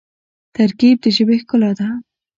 ترکیب د ژبي ښکلا ده.